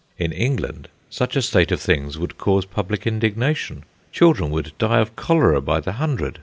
In England such a state of things would cause public indignation. Children would die of cholera by the hundred.